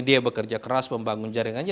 dia bekerja keras membangun jaringannya